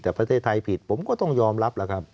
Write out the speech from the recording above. แต่ประเทศไทยผิดผมก็ต้องยอมรับแล้วครับ